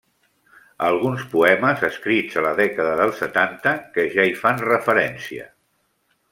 Alguns poemes escrits a la dècada del setanta que ja hi fan referència.